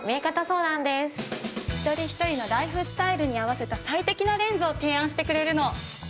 一人一人のライフスタイルに合わせた最適なレンズを提案してくれるの。